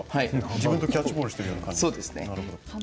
自分とキャッチボールしている感じ。